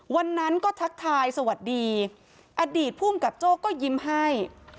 วันนั้นก็ทักทายสวัสดีอดีตภูมิกับโจ้ก็ยิ้มให้